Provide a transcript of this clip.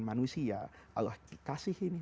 manusia allah dikasih ini